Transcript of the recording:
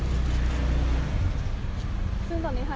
ไม่ใช่นี่คือบ้านของคนที่เคยดื่มอยู่หรือเปล่า